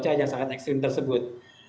cuaca yang sangat ekstrim tersebut